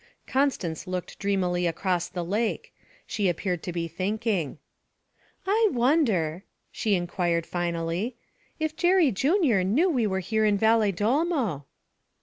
Constance looked dreamily across the lake; she appeared to be thinking. 'I wonder,' she inquired finally, 'if Jerry Junior knew we were here in Valedolmo?'